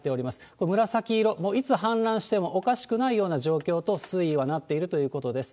これ、紫色、もういつ氾濫してもおかしくないような状況と、水位はなっているということです。